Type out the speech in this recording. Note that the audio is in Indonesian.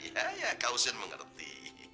ya ya kak husin mengerti